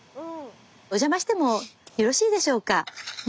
お邪魔してもよろしいでしょうかね。